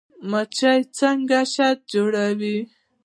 مچۍ څنګه شات جوړوي؟